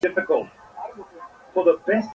والوته له وران کور نه خپه خپه مرغۍ